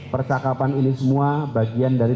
percakapan ini semua bagian dari